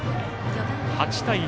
８対１。